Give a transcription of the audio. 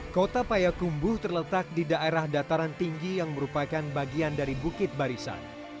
kota payakumbuh terletak di daerah dataran tinggi yang merupakan bagian dari bukit barisan